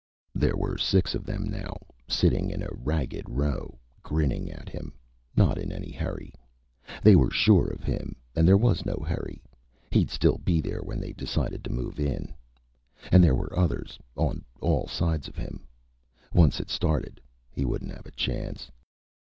There were six of them now, sitting in a ragged row, grinning at him, not in any hurry. They were sure of him and there was no hurry. He'd still be there when they decided to move in. And there were others on all sides of him. Once it started, he wouldn't have a chance.